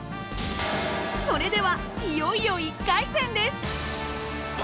それではいよいよ１回戦です！